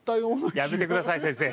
やめて下さい先生。